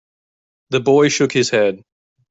The boy shook his head.